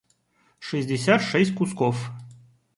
шестьдесят шесть кусков